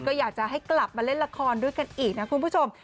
ก็อยากจะให้กลับมาเล่นละครด้วยกันอีกนะคุณผู้ชม